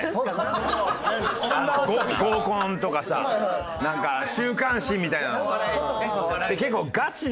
合コンとかさなんか週刊誌みたいなのは。